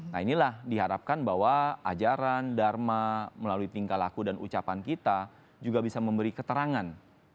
nah inilah diharapkan bahwa ajaran dharma melalui tingkah laku dan ucapan kita juga bisa memberi keterangan